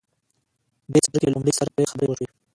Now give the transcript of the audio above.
دې څپرکي له لومړي سره پرې خبرې وشوې.